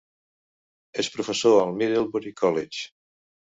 És professor al Middlebury College.